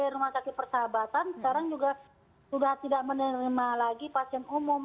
di rumah sakit persahabatan sekarang juga sudah tidak menerima lagi pasien umum